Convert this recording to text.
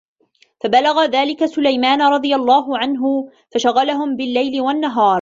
فَبَلَغَ ذَلِكَ سُلَيْمَانَ رَضِيَ اللَّهُ عَنْهُ فَشَغْلَهُمْ بِاللَّيْلِ وَالنَّهَارِ